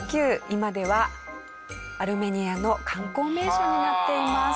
今ではアルメニアの観光名所になっています。